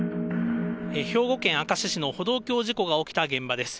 兵庫県明石市の歩道橋事故が起きた現場です。